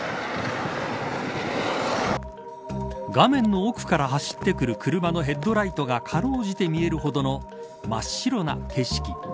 画面の奥から走ってくる車のヘッドライトがかろうじて見えるほどの真っ白な景色